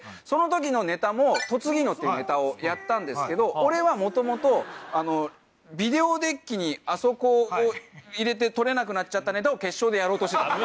その時のネタも「トツギーノ」ってネタをやったんですけど俺はもともとビデオデッキにあそこを入れて取れなくなっちゃったネタを決勝でやろうとしてた。